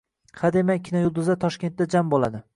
Hademay kinoyulduzlar Toshkentda jam bo‘ladi